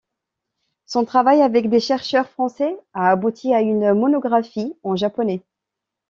Son travail avec des chercheurs français a abouti à une monographie en japonais.